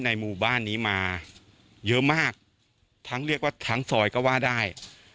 หมู่บ้านนี้มาเยอะมากทั้งเรียกว่าทั้งซอยก็ว่าได้